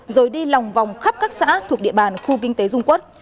rồi đi lòng vòng khắp các xã thuộc địa bàn khu kinh tế dung quốc